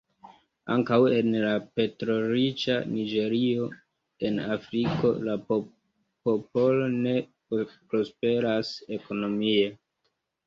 Ankaŭ en la petrolriĉa Niĝerio, en Afriko, la popolo ne prosperas ekonomie.